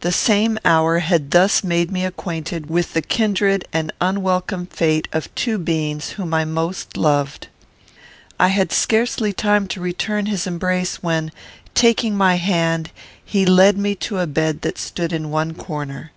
The same hour had thus made me acquainted with the kindred and unwelcome fate of two beings whom I most loved. I had scarcely time to return his embrace, when, taking my hand, he led me to a bed that stood in one corner.